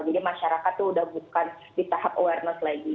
jadi masyarakat itu sudah bukan di tahap awareness lagi